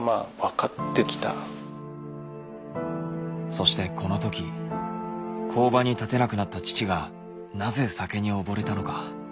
そしてこのとき工場に立てなくなった父がなぜ酒におぼれたのか。